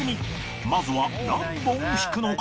まずは何本引くのか？